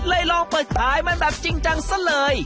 ลองเปิดขายมันแบบจริงจังซะเลย